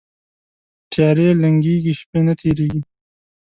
تیارې لنګیږي، شپه نه تیریږي